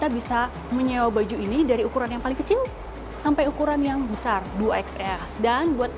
bisa menyewa baju ini dari ukuran yang paling kecil sampai ukuran yang besar dua xl dan buat